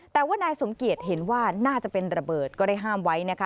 แต่ว่านายสมเกียจเห็นว่าน่าจะเป็นระเบิดก็ได้ห้ามไว้นะคะ